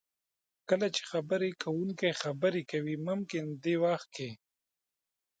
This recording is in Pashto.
کله چې خبرې کوونکی خبرې کوي ممکن دې وخت کې